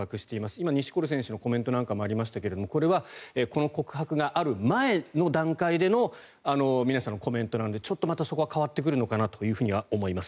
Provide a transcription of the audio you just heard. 今、錦織選手のコメントなんかもありましたがこれはこの告白がある前の段階での皆さんのコメントなのでその辺りはちょっと変わってくるかなと思います。